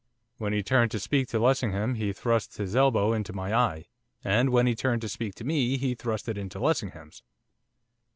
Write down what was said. When he turned to speak to Lessingham, he thrust his elbow into my eye; and when he turned to speak to me, he thrust it into Lessingham's.